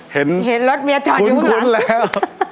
เห็นรถเมียจอดอยู่ข้างหลังคุ้นแล้วคุ้น